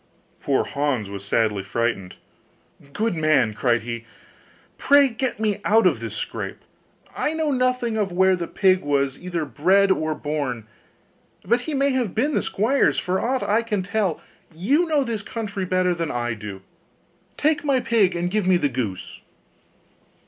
Poor Hans was sadly frightened. 'Good man,' cried he, 'pray get me out of this scrape. I know nothing of where the pig was either bred or born; but he may have been the squire's for aught I can tell: you know this country better than I do, take my pig and give me the goose.